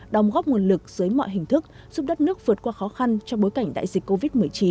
đồng góp nguồn lực dưới mọi hình thức giúp đất nước vượt qua khó khăn trong bối cảnh đại dịch covid một mươi chín